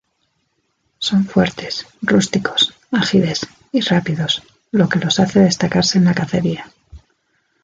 Son fuertes, rústicos, ágiles, y rápidos, lo que los hace destacarse en la cacería.